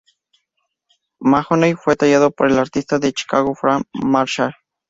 Mahoney fue tallado por el artista de Chicago Frank Marshall.